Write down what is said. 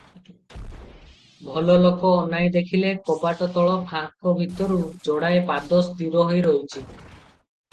ଭଲଲୋକ ଅନାଇ ଦେଖିଲେ, କବାଟ ତଳ ଫାଙ୍କ ଭିତରକୁ ଯୋଡିଏ ପାଦ ସ୍ଥିର ହୋଇ ରହିଛି ।